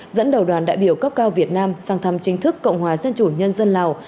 dẫn đầu đoàn đại biểu cấp cao việt nam sang thăm chính thức cộng hòa dân chủ nhân dân lào